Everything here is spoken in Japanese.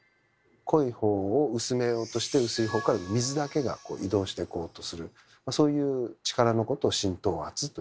濃い方を薄めようとして薄い方から水だけが移動してこうとするそういう力のことを浸透圧と言ってます。